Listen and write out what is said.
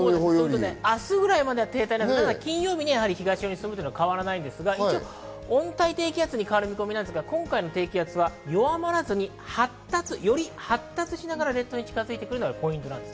明日くらいまで停滞で、金曜日に東寄りに進むというのは変わらないですが、温帯低気圧に変わる見込みで、今回の低気圧は弱まらずにより発達しながら列島に近づいてくるのがポイントです。